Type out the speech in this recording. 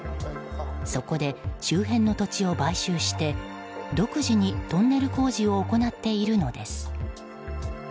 そこで周辺の土地を買収して独自にトンネル工事を行っているのです。